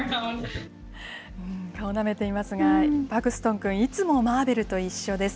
顔なめていますが、パクストン君、いつもマーベルと一緒です。